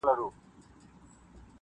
له لمبو يې تر آسمانه تلل دودونه-